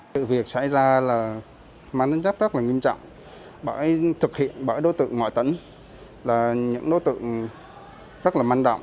vụ việc xảy ra là màn tính chấp rất nghiêm trọng bởi thực hiện bởi đối tượng ngoại tận là những đối tượng rất là manh động